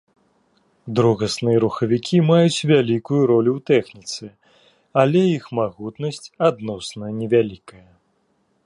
Другасныя рухавікі маюць вялікую ролю ў тэхніцы, але іх магутнасць адносна невялікая.